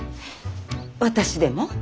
私でも？